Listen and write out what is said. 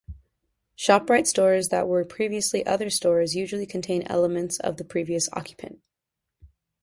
ShopRite stores that were previously other stores usually contain elements of the previous occupant.